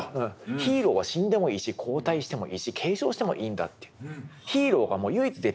ヒーローは死んでもいいし交代してもいいし継承してもいいんだっていう。